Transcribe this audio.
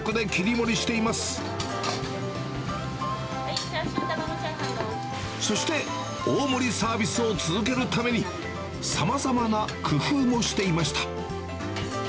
はい、そして大盛りサービスを続けるために、さまざまな工夫もしていました。